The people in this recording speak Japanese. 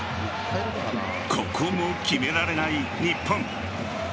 ここも決められない日本。